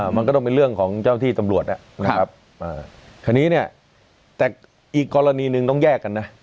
มันก็ต้องเป็นเรื่องของเจ้าที่ตำรวจนะครับคราวนี้เนี่ยแต่อีกกรณีหนึ่งต้องแยกกันนะ